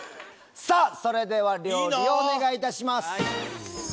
それでは料理をお願いいたします。